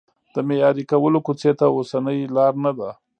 د معیاري کولو کوڅې ته اوسنۍ لار نه ده.